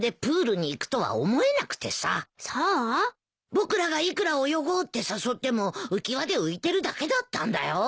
僕らがいくら泳ごうって誘っても浮輪で浮いてるだけだったんだよ？